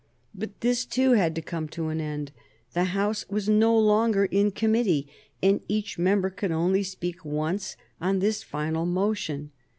But this, too, had to come to an end. The House was no longer in committee, and each member could only speak once on this final motion.